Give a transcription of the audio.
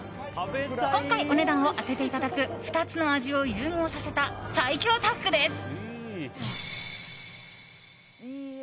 今回、お値段を当てていただく２つの味を融合させた最強タッグです。